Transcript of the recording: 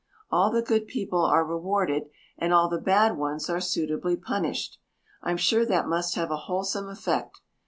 All the good people are rewarded and all the bad ones are suitably punished. I'm sure that must have a wholesome effect.